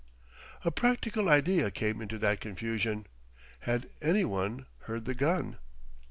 A practical idea came into that confusion. Had any one heard the gun?